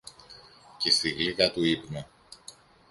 και στη γλύκα του ύπνου